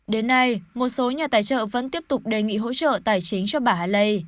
đến nay một số nhà tài trợ vẫn tiếp tục đề nghị hỗ trợ tài chính cho bà haley